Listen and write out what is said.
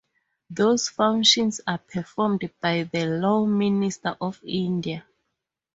Those functions are performed by the Law Minister of India.